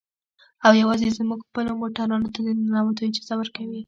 او يوازې زموږ خپلو موټرانو ته د ننوتو اجازه ورکوي.